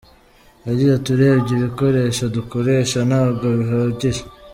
Yagize “Urebye ibikoresho dukoresha ntabwo bihagije.